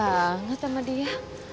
kangen banget sama dia